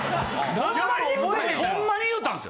ホンマに言うたんや？